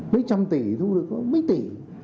mấy trăm tỷ thu được có mấy tỷ